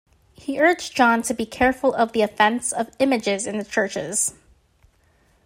He urged John to be careful of the "offence" of images in the churches.